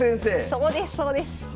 そうですそうです。